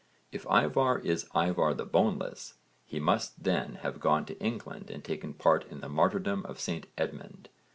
If Ívarr is Ívarr the Boneless, he must then have gone to England and taken part in the martyrdom of St Edmund.